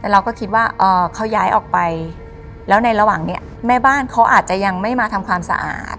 เราก็คิดว่าเขาย้ายออกไปแล้วในระหว่างนี้แม่บ้านเขาอาจจะยังไม่มาทำความสะอาด